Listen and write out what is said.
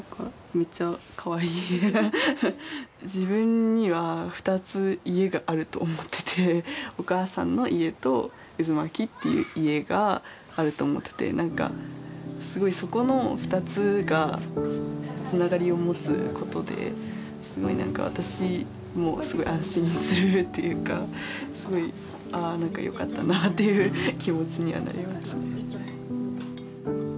自分には２つ家があると思ってて「お母さんの家」と「うずまき」っていう家があると思ってて何かすごいそこの２つがつながりを持つことですごい何か私もすごい安心するっていうかすごいああ何かよかったなあっていう気持ちにはなりますね。